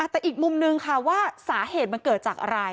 แต่อีกมุมนึงค่ะว่าสาเหตุมันเกิดจากอะไร